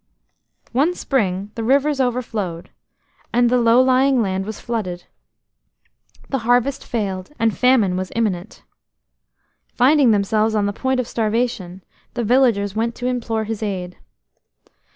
One spring the rivers overflowed, and the low lying land was flooded. The harvest failed, and famine was imminent. Finding themselves on the point of starvation, the villagers went to implore his aid.